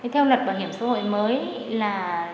theo luật bảo hiểm xã hội mới là